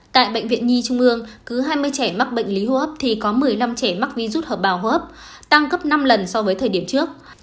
tại bệnh viện nhi trung ương cứ hai mươi trẻ mắc bệnh lý hô hấp thì có một mươi năm trẻ mắc virus hợp bào hô hấp tăng gấp năm lần so với thời điểm trước